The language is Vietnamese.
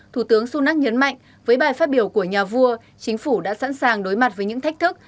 thủ tướng sunak nhấn mạnh với bài phát biểu của nhà vua chính phủ đã sẵn sàng đối mặt với những thách thức